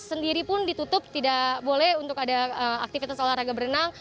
sendiri pun ditutup tidak boleh untuk ada aktivitas olahraga berenang